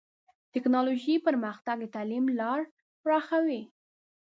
ټکنالوژي پرمختګ د تعلیم لار پراخوي.